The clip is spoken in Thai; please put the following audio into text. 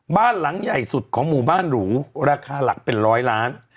บ้านหลังใหญ่สุดของหมู่บ้านหรูราคาหลักเป็นร้อยล้าน